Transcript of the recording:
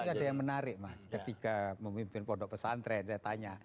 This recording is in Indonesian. tapi ada yang menarik mas ketika memimpin pondok pesantren saya tanya